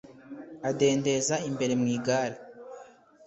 adendeza imbere mu igare